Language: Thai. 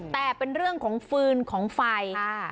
แต่เป็นเรื่องของฟืนของไฟ